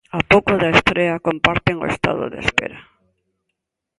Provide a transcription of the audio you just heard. A pouco da estrea comparten o estado de espera.